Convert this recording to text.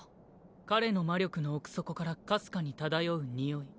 彼の魔力の奥底からかすかに漂うにおい